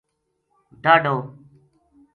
ڈاہڈو